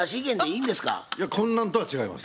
いやこんなんとは違います。